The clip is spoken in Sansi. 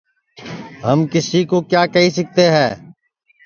ہم کسی کُو کیا کیہی سِکتے ہے